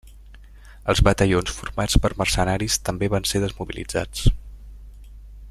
Els batallons formats per mercenaris també van ser desmobilitzats.